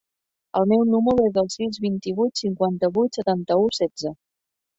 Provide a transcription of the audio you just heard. El meu número es el sis, vint-i-vuit, cinquanta-vuit, setanta-u, setze.